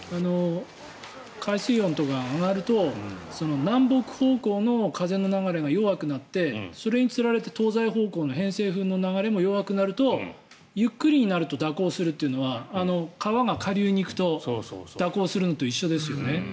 海水温とかが上がると南北方向の風の流れが弱くなって、それにつられて東西方向の偏西風の流れも弱くなると、ゆっくりになると蛇行するというのは川が下流に行くと蛇行するのと一緒ですよね。